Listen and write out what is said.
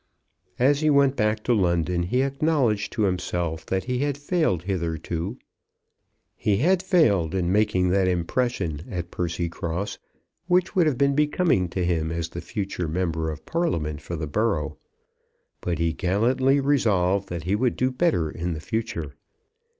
As he went back to London he acknowledged to himself that he had failed hitherto, he had failed in making that impression at Percycross which would have been becoming to him as the future member of Parliament for the borough; but he gallantly resolved that he would do better in the future.